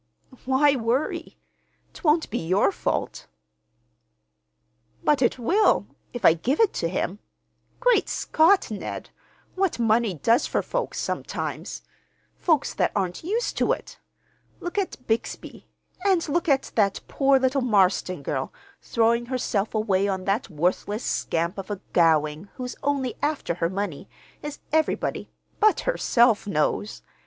"Why worry? 'Twon't be your fault." "But it will—if I give it to him. Great Scott, Ned! what money does for folks, sometimes—folks that aren't used to it! Look at Bixby; and look at that poor little Marston girl, throwing herself away on that worthless scamp of a Gowing who's only after her money, as everybody (but herself) knows!